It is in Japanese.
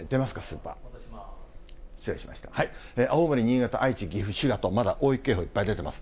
青森、新潟、愛知、岐阜、滋賀と、まだ大雪警報、いっぱい出てます。